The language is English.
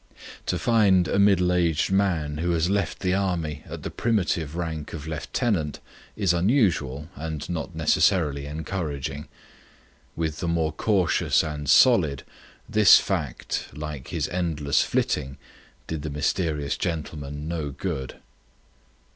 To find a middle aged man who has left the Army at the primitive rank of lieutenant is unusual and not necessarily encouraging. With the more cautious and solid this fact, like his endless flitting, did the mysterious gentleman no good.